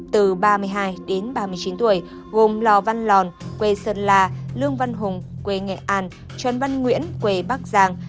từ ba mươi hai đến ba mươi chín tuổi gồm lò văn lòn quê sơn la lương văn hùng quê nghệ an trần văn nguyễn quê bắc giang